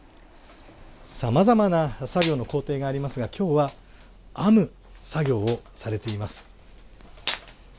さまざまな作業の工程がありますがきょうは編む作業をされています。